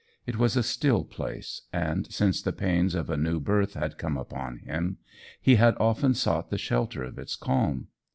It was a still place, and since the pains of a new birth had come upon him, he had often sought the shelter of its calm.